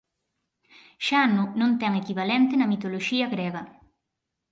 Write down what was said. Xano non ten equivalente na mitoloxía grega.